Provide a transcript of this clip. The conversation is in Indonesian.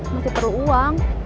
masih perlu uang